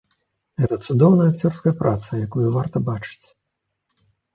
Гэта цудоўная акцёрская праца, якую варта бачыць.